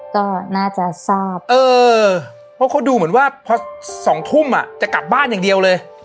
ก็น่าจะทราบเออเพราะเขาดูเหมือนว่าพอ๒ทุ่มจะกลับบ้านอย่างเดียวเลย